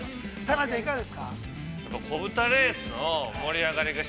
タナちゃんいかがでしたか。